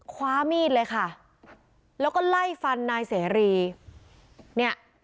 คว้ามีดเลยค่ะแล้วก็ไล่ฟันนายเสรีเนี่ย